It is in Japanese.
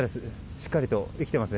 しっかりと生きていますね。